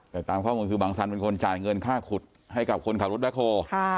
แต่ตามข้อมูลคือบังสันเป็นคนจ่ายเงินค่าขุดให้กับคนขับรถแบ็คโฮ